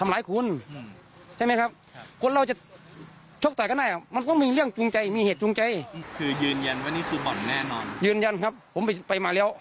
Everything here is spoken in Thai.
วันนี้ทีมข่าวลงพื้นที่จุดเกิดเหตุนะคะ